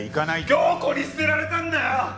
響子に捨てられたんだよ！